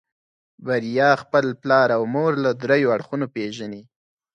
بريا خپل پلار او مور له دريو اړخونو پېژني.